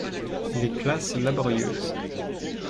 Les classes laborieuses